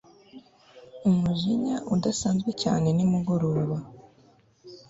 umujinya udasanzwe cyane nimugoroba